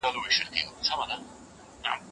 ایا هغه به وتوانیږي چې ډوډۍ واخلي؟